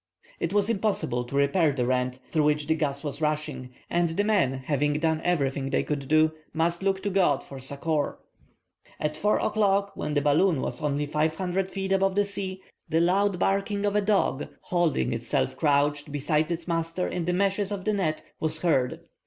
It was impossible to repair the rent, through which the gas was rushing, and the men having done everything they could do, must look to God for succor. At 4 o'clock, when the balloon was only 500 feet above the sea, the loud barking of a dog, holding itself crouched beside its master in the meshes of the net, was heard.